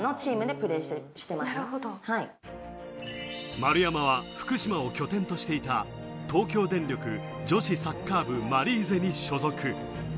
丸山は福島を拠点としていた東京電力女子サッカー部マリーゼに所属。